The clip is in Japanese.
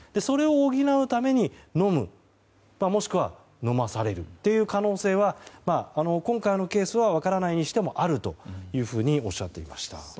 それを補うために飲むもしくは飲まされるという可能性は今回のケースは分からないにしてもあるとおっしゃっていました。